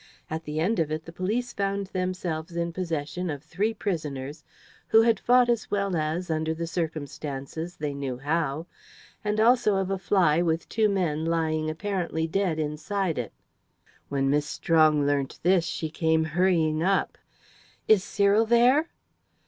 At the end of it the police found themselves in possession of three prisoners, who had fought as well as, under the circumstances, they knew how, and also of a fly with two men lying apparently dead inside it. When Miss Strong learnt this, she came hurrying up. "Is Cyril there?"